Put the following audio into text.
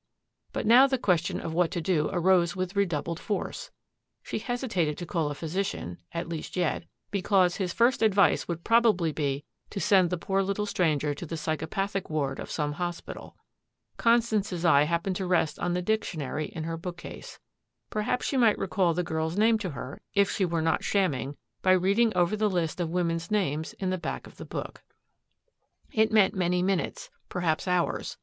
But now the question of what to do arose with redoubled force. She hesitated to call a physician, at least yet, because his first advice would probably be to send the poor little stranger to the psychopathic ward of some hospital. Constance's eye happened to rest on the dictionary in her bookcase. Perhaps she might recall the girl's name to her, if she were not shamming, by reading over the list of women's names in the back of the book. It meant many minutes, perhaps hours.